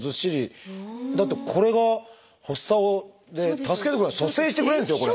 だってこれが発作を助けてくれる蘇生してくれるんですよこれ。